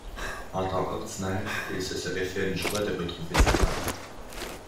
En temps ordinaire, il se serait fait une joie de retrouver sa femme.